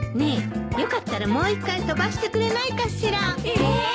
えっ！？